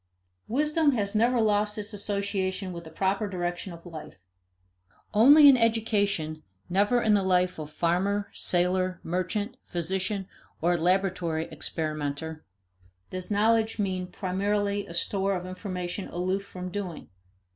Wisdom has never lost its association with the proper direction of life. Only in education, never in the life of farmer, sailor, merchant, physician, or laboratory experimenter, does knowledge mean primarily a store of information aloof from doing.